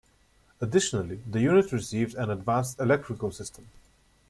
Additionally, the unit received an advanced electrical system.